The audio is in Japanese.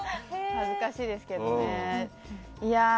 恥ずかしいですけどね。